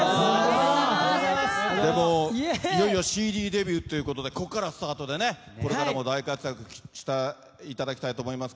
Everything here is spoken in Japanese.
いよいよＣＤデビューということでここからスタートで大活躍していただきたいと思います。